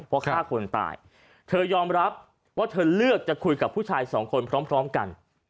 เพราะฆ่าคนตายเธอยอมรับว่าเธอเลือกจะคุยกับผู้ชายสองคนพร้อมกัน